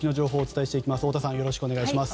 よろしくお願いします。